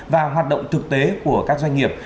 và hoạt động thực tế của các doanh nghiệp